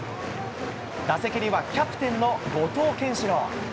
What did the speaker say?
打席には、キャプテンの後藤剣士朗。